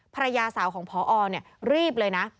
ภรรยาสาวของพอรีบเลยนะ